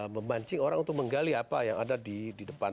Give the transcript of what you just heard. memancing orang untuk menggali apa yang ada di depan